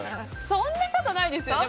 そんなことないですよね